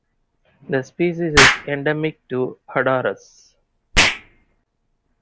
The species is endemic to Honduras.